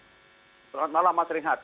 selamat malam mas rihat